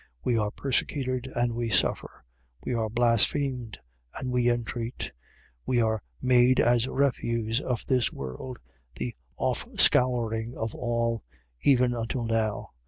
We are persecuted: and we suffer it. 4:13. We are blasphemed: and we entreat. We are made as the refuse of this world, the offscouring of all, even until now.